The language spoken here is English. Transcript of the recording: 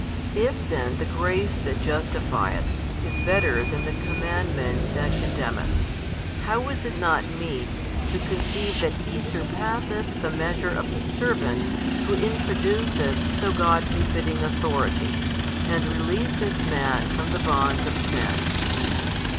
If then the grace that justifieth is better than the commandment that condemneth, how is it not meet to conceive that He surpasseth the measure of the servant Who introduceth so God befitting authority, and releaseth man from the bonds of sin?